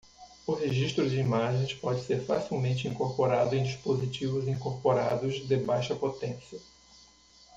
O registro de imagens pode ser facilmente incorporado em dispositivos incorporados de baixa potência.